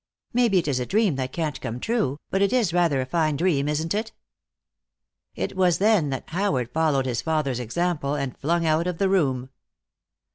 Maybe it is a dream that can't come true, but it is rather a fine dream, isn't it?" It was then that Howard followed his father's example, and flung out of the room.